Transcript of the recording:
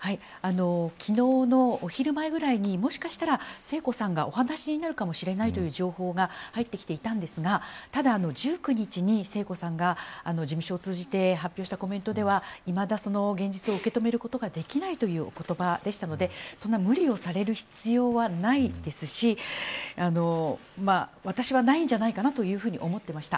昨日のお昼前ぐらいにもしかしたら聖子さんがお話になるかもしれないという情報が入ってきていたんですがただ、１９日に聖子さんが事務所を通じて発表したコメントでは、いまだ現実を受け止めることができないというお言葉でしたので無理をされる必要はないですし私はないんじゃないかなと思っていました。